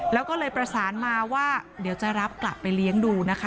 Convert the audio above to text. แล้วก็เลยประสานมาว่าเดี๋ยวจะรับกลับไปเลี้ยงดูนะคะ